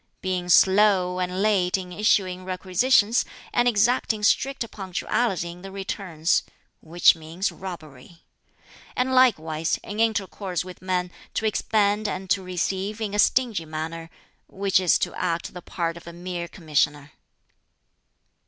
Being slow and late in issuing requisitions, and exacting strict punctuality in the returns which means robbery. And likewise, in intercourse with men, to expend and to receive in a stingy manner which is to act the part of a mere commissioner."